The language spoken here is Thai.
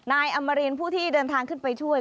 นายอำมารีนผู้ที่เดินทางขึ้นไปช่วย